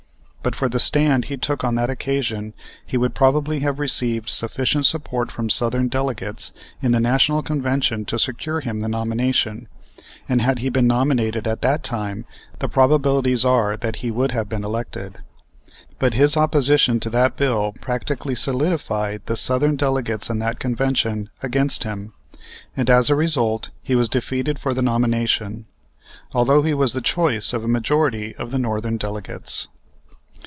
But for the stand he took on that occasion, he would probably have received sufficient support from Southern delegates in the National Convention to secure him the nomination, and, had he been nominated at that time, the probabilities are that he would have been elected. But his opposition to that bill practically solidified the Southern delegates in that convention against him, and as a result he was defeated for the nomination, although he was the choice of a majority of the Northern delegates.